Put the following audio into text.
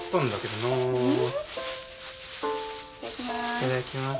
いただきまーす。